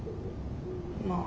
まあ。